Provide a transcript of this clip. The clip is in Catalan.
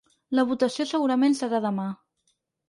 La votació segurament serà demà.